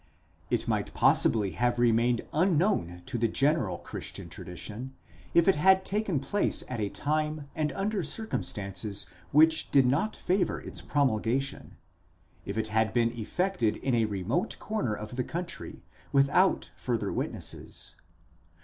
It might possibly have remained unknown to the general Christian tradition, if it had taken place at a time and under circum stances which did not favour its promulgation—if it had been effected in a re mote corner of the country, without further witnesses.